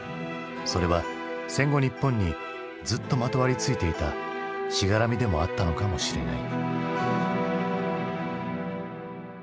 それは戦後日本にずっとまとわりついていた「しがらみ」でもあったのかもしれない。